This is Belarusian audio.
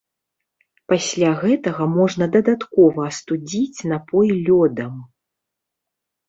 Пасля гэтага можна дадаткова астудзіць напой лёдам.